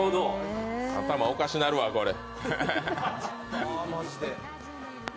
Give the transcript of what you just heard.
頭、おかしなるわ、これ。